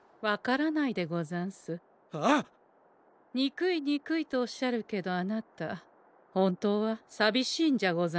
にくいにくいとおっしゃるけどあなた本当はさびしいんじゃござんせんか？